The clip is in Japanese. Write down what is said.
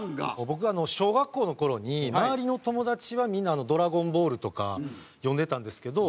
僕が小学校の頃に周りの友達はみんな『ＤＲＡＧＯＮＢＡＬＬ』とか読んでたんですけど